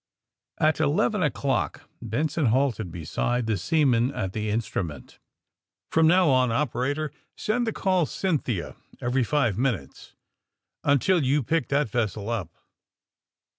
At eleven o^clock Benson halted beside the seaman at the instrument. *^From now on, operator, send the call ^Cyn thia, ' every five minutes until you pick that ves sel up.''